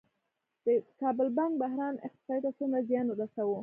د کابل بانک بحران اقتصاد ته څومره زیان ورساوه؟